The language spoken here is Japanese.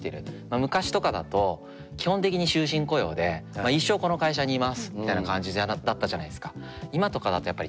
昔とかだと基本的に終身雇用で「一生この会社に居ます！」みたいな感じだったじゃないですか。